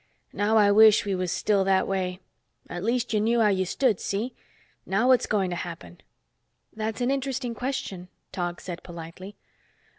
Now I wish we was still that way. At least you knew how you stood, see? Now, what's going to happen?" "That's an interesting question," Tog said politely.